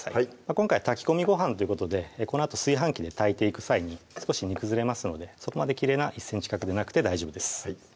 今回炊き込みご飯ということでこのあと炊飯器で炊いていく際に少し煮崩れますのでそこまできれいな１ｃｍ角でなくて大丈夫です